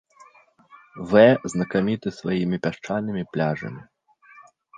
Вэ знакаміты сваімі пясчанымі пляжамі.